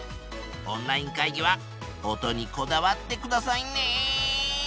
オンライン会議は音にこだわってくださいね。